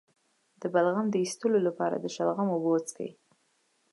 د بلغم د ایستلو لپاره د شلغم اوبه وڅښئ